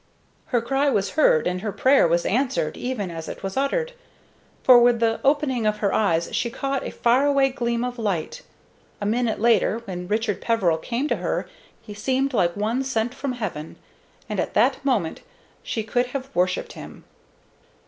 Her cry was heard and her prayer was answered even as it was uttered; for with the opening of her eyes she caught a far away gleam of light. A minute later, when Richard Peveril came to her, he seemed like one sent from heaven, and at that moment she could have worshipped him.